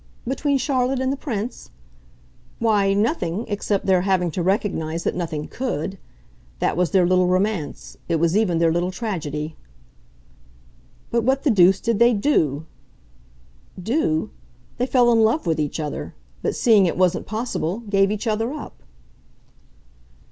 "Between Charlotte and the Prince? Why, nothing except their having to recognise that nothing COULD. That was their little romance it was even their little tragedy." "But what the deuce did they DO?" "Do? They fell in love with each other but, seeing it wasn't possible, gave each other up."